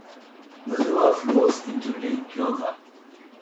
The river flows into Lake Kyoga.